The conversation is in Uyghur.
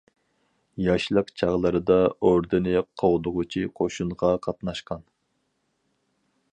ياشلىق چاغلىرىدا ئوردىنى قوغدىغۇچى قوشۇنغا قاتناشقان.